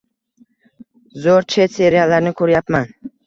Zo‘r chet serialini ko‘ryapman.